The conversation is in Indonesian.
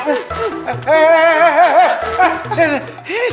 terima kasih pak